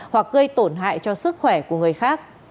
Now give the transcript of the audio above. hoặc gây tổn hại cho sức khỏe của người khác